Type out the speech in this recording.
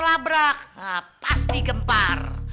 labrak pasti gempar